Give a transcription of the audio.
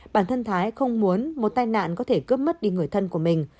bản thân thái không muốn một tai nạn có thể cướp mất đi người thân của mình